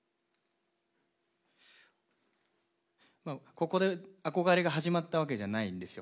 ここであこがれが始まったわけじゃないんですよ